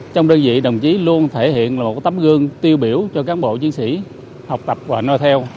trong đơn vị đồng chí luôn thể hiện một tấm gương tiêu biểu cho cán bộ chiến sĩ học tập và nói theo